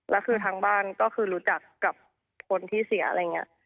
แล้วคือทางบ้านก็คือรู้จักกับคนที่เสียอะไรอย่างนี้